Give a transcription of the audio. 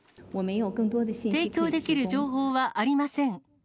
提供できる情報はありません。